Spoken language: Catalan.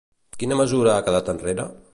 Quina mesura ha quedat enrere?